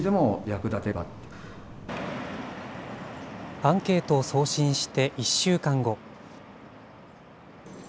アンケートを送信して、１週間後。